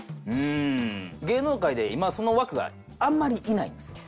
芸能界で今その枠があんまりいないんですよ。